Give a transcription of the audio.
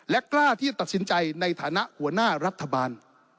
กล้าที่จะตัดสินใจในฐานะหัวหน้ารัฐบาล